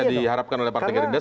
yang diharapkan oleh partai gerindra